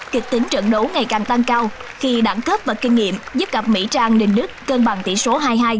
kịch tính trận đấu ngày càng tăng cao khi đẳng cấp và kinh nghiệm giúp cặp mỹ trang đình đức cân bằng tỷ số hai hai